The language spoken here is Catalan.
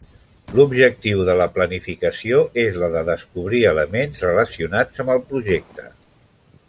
L'objectiu de la planificació és la de descobrir elements relacionats amb el projecte.